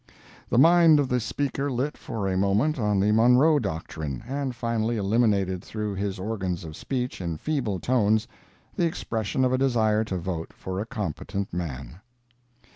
The mind of the speaker lit for a moment on the Monroe Doctrine, and finally eliminated through his organs of speech in feeble tones, the expression of a desire to vote for a competent man.